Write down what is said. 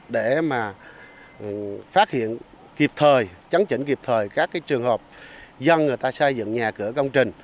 để mà phát hiện kịp thời chấn chỉnh kịp thời các trường hợp dân người ta xây dựng nhà cửa công trình